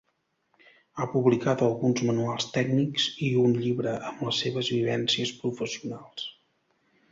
Ha publicat alguns manuals tècnics i un llibre amb les seves vivències professionals.